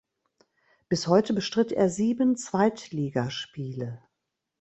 Bis heute bestritt er sieben Zweitligaspiele.